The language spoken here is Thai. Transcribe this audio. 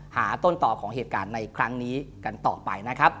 หาต้นต่อของเหตุการณ์ในครั้งนี้กันต่อไปนะครับ